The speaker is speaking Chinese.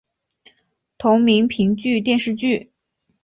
同名评剧电视剧